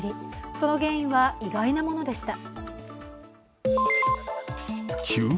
その原因は意外なものでした。